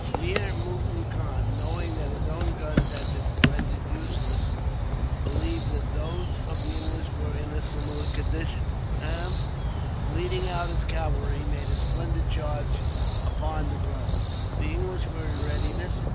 Mir Mudin Khan, knowing that his own guns had been rendered useless, believed that those of the English were in a similar condition; and, leading out his cavalry, made a splendid charge down upon the grove. The English were in readiness.